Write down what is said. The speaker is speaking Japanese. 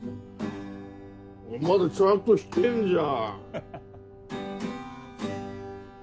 まだちゃんと弾けんじゃん。